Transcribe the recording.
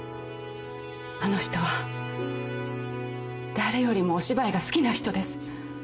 あの人は誰よりもお芝居が好きな人です。